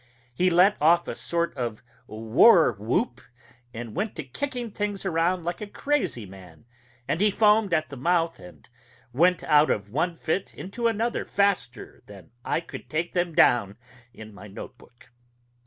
He let off a sort of war whoop, and went to kicking things around like a crazy man; and he foamed at the mouth and went out of one fit into another faster than I could take them down in my note book....